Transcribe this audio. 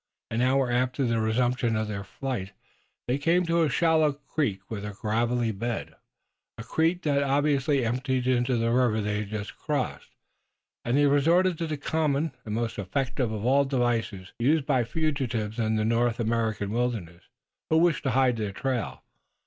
An hour after the resumption of their flight they came to a shallow creek with a gravelly bed, a creek that obviously emptied into the river they had crossed, and they resorted to the commonest and most effective of all devices used by fugitives in the North American wilderness who wished to hide their trail.